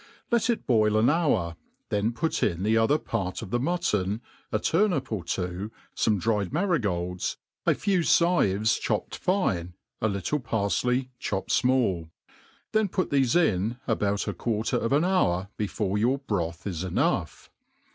Let it boil an hour, then put in the other part of the mutton, a turnip or two, fome dried marigolds, a f^w cives chopped fine, & little parfley chopped fmall ; then put ihefe in, about a quarter of an hour before your broth is enough.